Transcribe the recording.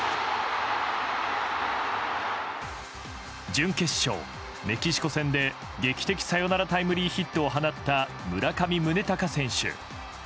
準決勝メキシコ戦で劇的サヨナラタイムリーヒットを放った村上宗隆選手。